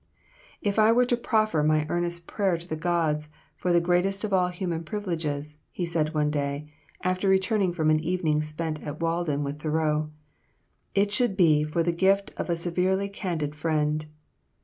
"If I were to proffer my earnest prayer to the gods for the greatest of all human privileges," he said one day, after returning from an evening spent at Walden with Thoreau, "it should be for the gift of a severely candid friend.